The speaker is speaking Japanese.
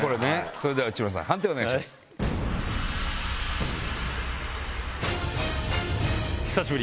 それでは内村さん判定お願いします。久しぶり！